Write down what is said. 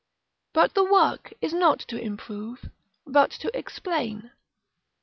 But the work is not to improve, but to explain.